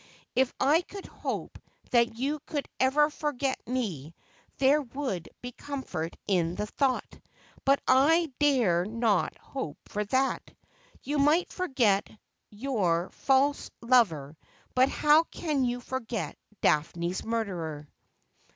If I could hope that you could ever forget me there would be comfort in the thought; but I dare not hope for that. You might forget your false lover, but how can you forget Daphne's murderer